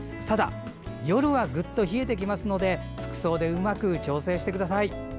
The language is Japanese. ただ、夜はぐっと冷えますので服装でうまく調節してください。